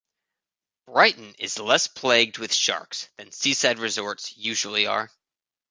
Brighton is less plagued with sharks than seaside resorts usually are.